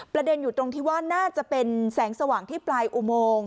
อยู่ตรงที่ว่าน่าจะเป็นแสงสว่างที่ปลายอุโมง